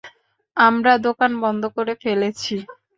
আমরা দোকান বন্ধ করে ফেলেছি।